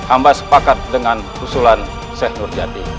ambas sepakat dengan usulan seh nurjati